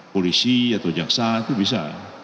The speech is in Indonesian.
polisi atau jaksa itu bisa